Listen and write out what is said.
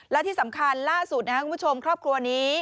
และที่สำคัญล่าสุดนะครับคุณผู้ชมครอบครัวนี้